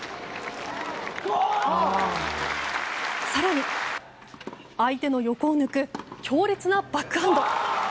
更に相手の横を抜く強烈なバックハンド。